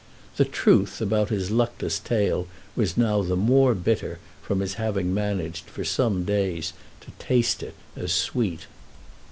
The truth about his luckless tale was now the more bitter from his having managed, for some days, to taste it as sweet.